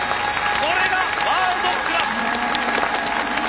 これがワールドクラス！